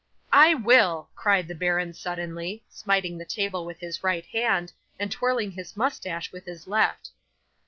'"I will!" cried the baron suddenly, smiting the table with his right hand, and twirling his moustache with his left.